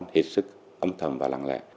hết sức âm thầm và lặng lẽ